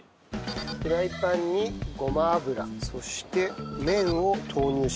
フライパンにごま油そして麺を投入します。